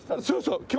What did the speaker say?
そうそう。